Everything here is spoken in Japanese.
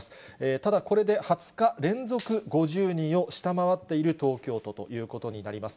ただ、これで２０日連続、５０人を下回っている東京ということになります。